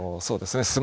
そうですね。